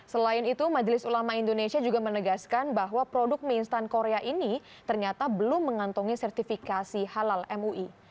selain itu majelis ulama indonesia juga menegaskan bahwa produk mie instan korea ini ternyata belum mengantongi sertifikasi halal mui